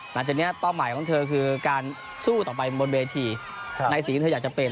หลังจากนี้เป้าหมายของเธอคือการสู้ต่อไปบนเวทีในสิ่งที่เธออยากจะเป็น